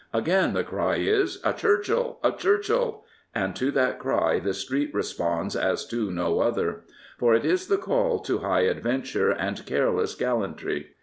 Again the cry is *' A Churchill I A Churchill I and to that cry the street responds as to no other. For it is the call to high adventure and careless gallantry.